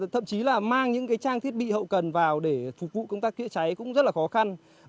thậm chí là mang những trang thiết bị hậu cần vào để phục vụ công tác chữa cháy cũng rất là khó khăn